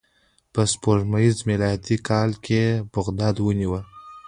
په سپوږمیز میلادي کال یې بغداد ونیو.